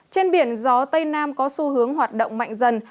trên biển gió tây nam có xu hướng hoạt động mạnh dần